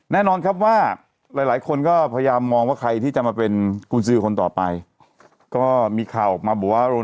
แน่นอนครับว่าหลายหลายคนก็พยายามมองว่าใครที่จะมาเป็นกุญสือคนต่อไปก็มีข่าวออกมาบอกว่า